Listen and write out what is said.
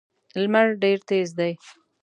لمر ډېر تېز دی.